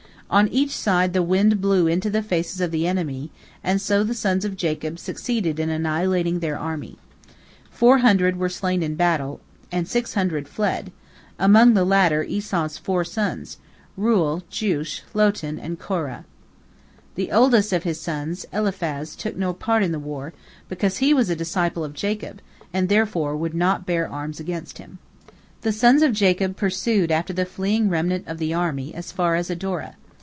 On each side the wind blew into the faces of the enemy, and so the sons of Jacob succeeded in annihilating their army. Four hundred were slain in battle, and six hundred fled, among the latter Esau's four sons, Reuel, Jeush, Lotan, and Korah. The oldest of his sons, Eliphaz, took no part in the war, because he was a disciple of Jacob, and therefore would not bear arms against him. The sons of Jacob pursued after the fleeing remnant of the army as far as Adora.